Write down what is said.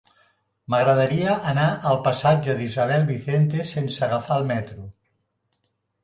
M'agradaria anar al passatge d'Isabel Vicente sense agafar el metro.